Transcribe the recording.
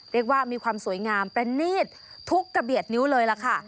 เรียกว่ามีความสวยงามประนีตทุกกระเบียดนิ้วเลยล่ะค่ะ